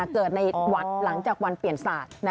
เกิดในวัดหลังจากวันเปลี่ยนศาสตร์